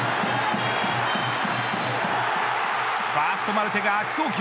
ファーストマルテが悪送球。